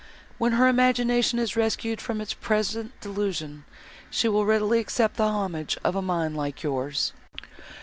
When her imagination is rescued from its present delusion, she will readily accept the homage of a mind like yours."